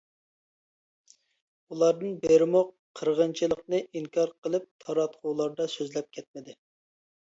ئۇلاردىن بىرىمۇ قىرغىنچىلىقنى ئىنكار قىلىپ تاراتقۇلاردا سۆزلەپ كەتمىدى.